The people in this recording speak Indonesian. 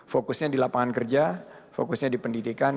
fokusnya di lapangan kerja fokusnya di pendidikan